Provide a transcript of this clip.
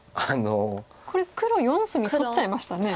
これ黒４隅取っちゃいましたね。